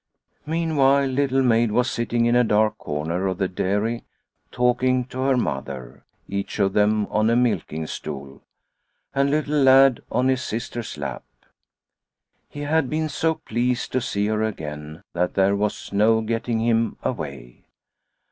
Meanwhile Little Maid was sitting in a dark corner of the dairy talking to her mother, each of them on a milking stool, and Little Lad on his sister's lap. He had been so pleased to see her again that there was no getting him away.